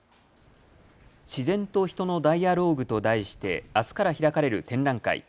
自然と人のダイアローグと題してあすから開かれる展覧会。